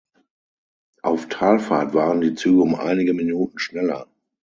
Auf Talfahrt waren die Züge um einige Minuten schneller.